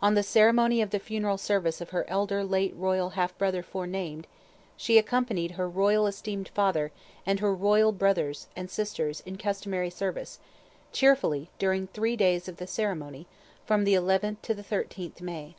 On the ceremony of the funeral service of her elder late royal half brother forenamed, She accompanied her royal esteemed father & her royal brothers and sisters in customary service, cheerfully during three days of the ceremony, from the 11th to 13th May.